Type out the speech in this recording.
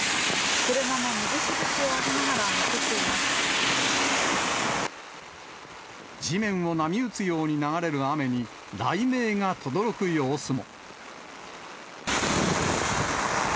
車も水しぶきを上げながら走って地面を波打つように流れる雨に、雷鳴がとどろく様子も。